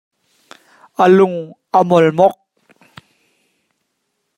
A lung a mawlmawk.